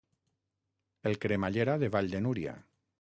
El cremallera de Vall de Núria.